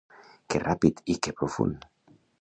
Què ràpid i què profund!